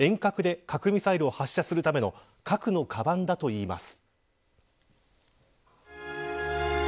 実は、これは遠隔で核ミサイルを発射するための核のカバンだといいます。